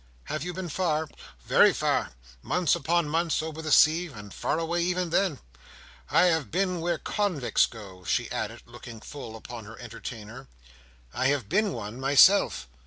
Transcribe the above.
"Have you been far?" "Very far. Months upon months over the sea, and far away even then. I have been where convicts go," she added, looking full upon her entertainer. "I have been one myself."